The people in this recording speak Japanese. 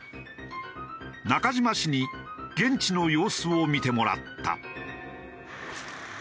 中島氏に現地の様子を見てもらった。